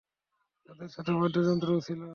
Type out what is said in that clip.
তাদের সাথে বাদ্যযন্ত্রও ছিল।